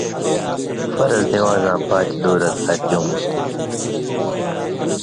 فرض نِوان٘زاں پاتی دُو رکاتیوں (رکعتیوں) مہ